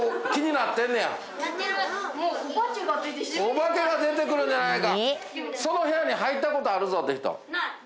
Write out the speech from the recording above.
お化けが出てくるんじゃないか？